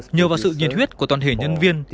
nhờ vào sự nhiệt huyết của toàn thể nhân viên